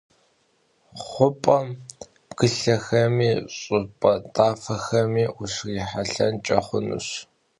Xhup'em bgılhexemi ş'ıp'e tafexemi vuşrihelh'enç'e xhunuş.